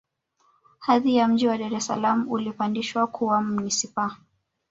hadhi ya mji wa dar es salaam ulipandishwa kuwa manispaa